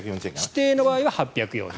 指定の場合は８４０円。